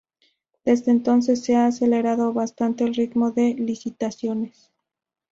Desde entonces se ha acelerado bastante el ritmo de licitaciones.